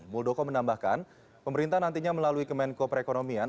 muldoko menambahkan pemerintah nantinya melalui kemenko perekonomian